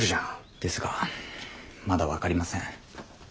ですがまだ分かりません。